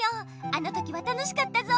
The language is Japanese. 「あの時は楽しかったぞ！」